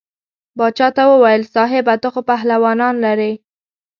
باچا ته وویل صاحبه ته خو پهلوانان لرې.